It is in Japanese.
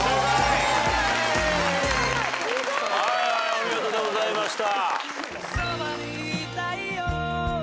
お見事でございました。